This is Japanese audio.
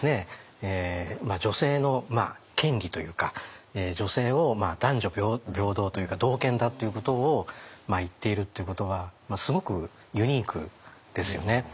女性の権利というか女性を男女平等というか同権だっていうことを言っているってことはすごくユニークですよね。